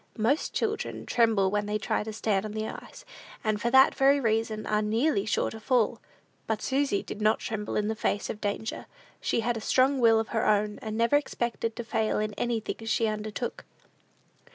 Most children tremble when they try to stand on the ice, and for that very reason are nearly sure to fall; but Susy did not tremble in the face of danger: she had a strong will of her own, and never expected to fail in anything she undertook.